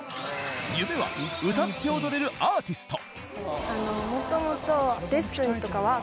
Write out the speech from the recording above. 夢は歌って踊れるアーティスト。